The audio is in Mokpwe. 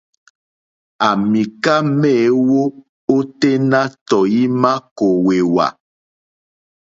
À mìká méèwó óténá tɔ̀ímá kòwèwà.